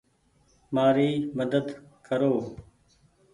مآري مدد ڪرو ۔